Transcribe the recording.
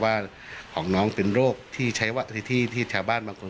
ว่าของน้องเป็นโรคที่ชาวบ้านบางคน